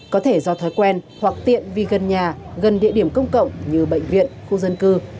có thể do thói quen hoặc tiện vì gần nhà gần địa điểm công cộng như bệnh viện khu dân cư